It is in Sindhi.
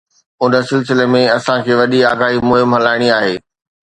ان سلسلي ۾ اسان کي وڏي آگاهي مهم هلائڻي آهي.